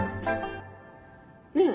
ねえ。